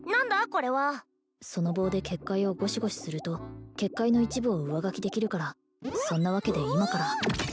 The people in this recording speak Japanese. これはその棒で結界をゴシゴシすると結界の一部を上書きできるからそんなわけで今からおおお？